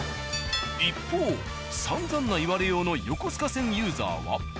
一方さんざんな言われようの横須賀線ユーザーは。